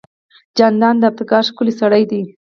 جانداد د ابتکار ښکلی سړی دی.